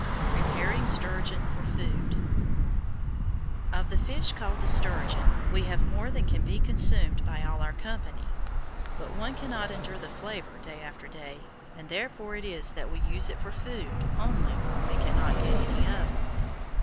PREPARING STURGEON FOR FOOD Of the fish called the sturgeon, we have more than can be consumed by all our company; but one cannot endure the flavor day after day, and therefore is it that we use it for food only when we cannot get any other.